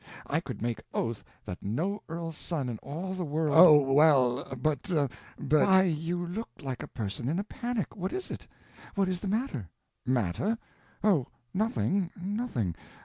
—I could make oath that no earl's son in all the world—" "Oh,—well, but—but—" "Why, you look like a person in a panic. What is it? What is the matter?" "Matter? Oh, nothing—nothing.